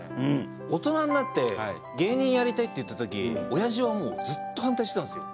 大人になって芸人やりたいって言った時おやじは、もうずっと反対してたんですよ。